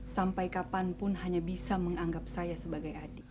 sampai kapanpun hanya bisa menganggap saya sebagai adik